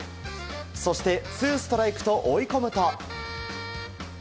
そして、ツーストライクと追い込むと。